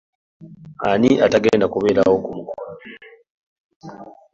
Ani atagenda kubaawo kumukolo?